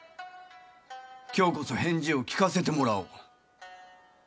今日こそ返事を聞かせてもらおう。